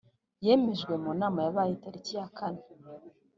yemejwe mu nama yabaye tariki ya kane